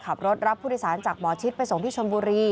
ขับรถรับผู้โดยสารจากหมอชิดไปส่งที่ชนบุรี